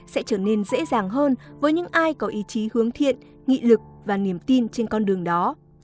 sẽ trở nên dễ dàng hơn với những ai có ý chí hướng thiện nghị lực và niềm tin trên con đường đó